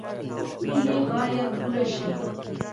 هیلې باید پوره شي